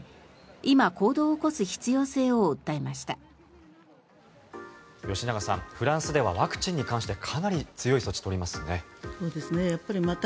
今、行動を起こす必要性を訴えました。